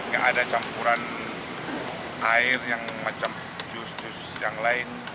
gak ada campuran air yang macam jus jus yang lain